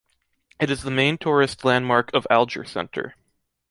It is the main tourist landmark of Alger Center.